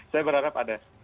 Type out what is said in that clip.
saya berharap ada